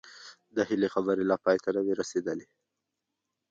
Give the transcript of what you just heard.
د هيلې خبرې لا پای ته نه وې رسېدلې